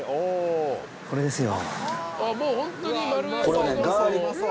これですよ。